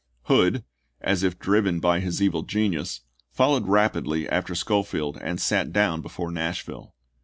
Hood, as if driven by his evil genius, followed rapidly after Schofield and sat down before Nash ville.